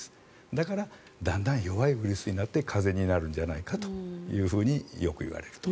だからだんだん弱いウイルスになって風邪になるんじゃないかとよく言われると。